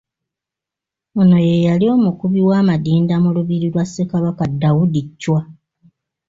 Ono ye yali omukubi w’amadinda mu lubiri lwa Ssekabaka Daudi Chwa.